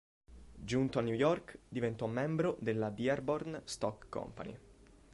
Giunto a New York, diventò membro della Dearborn Stock Company.